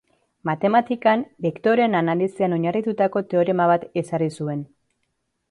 Matematikan, bektoreen analisian oinarritutako teorema bat ezarri zuen.